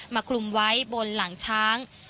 คลุมไว้บนหลังช้าง